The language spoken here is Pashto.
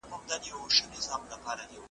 دې ورستو اوبو کي زه هم تباه کېږم `